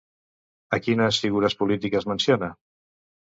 A quines figures polítiques menciona?